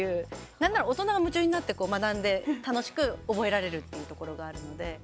なんなら大人が夢中になって学んで楽しく覚えられるっていうところがあるので。